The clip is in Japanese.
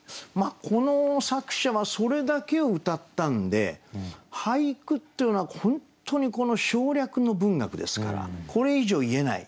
この作者はそれだけをうたったんで俳句っていうのは本当に省略の文学ですからこれ以上言えない。